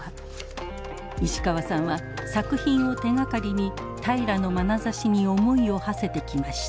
石川さんは作品を手がかりに平良のまなざしに思いをはせてきました。